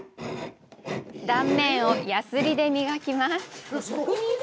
断面をやすりで磨きます。